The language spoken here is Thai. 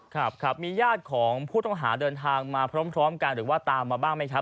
ครับครับมีญาติของผู้ต้องหาเดินทางมาพร้อมกันหรือว่าตามมาบ้างไหมครับ